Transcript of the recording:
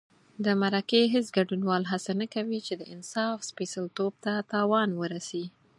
د مرکې هېڅ ګډونوال هڅه نه کوي چې د انصاف سپېڅلتوب ته تاوان ورسي.